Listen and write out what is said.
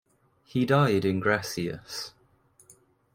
He died in Gracias.